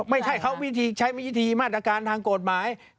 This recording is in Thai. ไม่ใช่เขาวิธีใช้วิธีมาตรการทางกฎหมาย